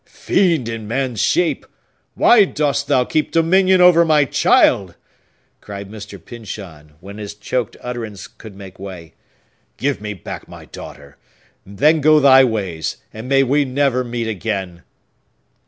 "Fiend in man's shape! why dost thou keep dominion over my child?" cried Mr. Pyncheon, when his choked utterance could make way. "Give me back my daughter. Then go thy ways; and may we never meet again!"